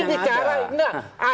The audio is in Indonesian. ini bicara enggak